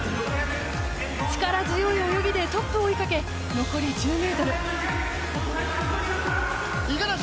力強い泳ぎでトップを追いかけ残り１０ｍ。